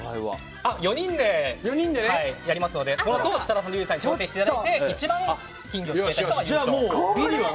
４人でやりますのでこのあと設楽さんとユージさんに挑戦していただいて一番、金魚をすくえた人が優勝。